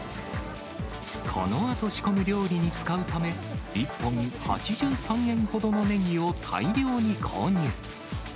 このあと仕込む料理に使うため、１本８３円ほどのネギを大量に購入。